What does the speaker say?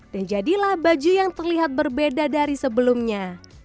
dan jadilah baju yang terlihat berbeda dari sebelumnya